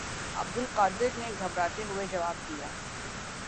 عبدالقادر نے گھبراتے ہوئے جواب دیا